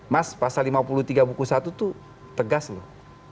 mas pasal lima puluh tiga buku satu itu tegas loh